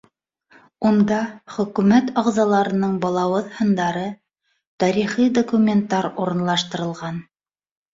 Унда Хөкүмәт ағзаларының балауыҙ һындары, тарихи документтар урынлаштырылған.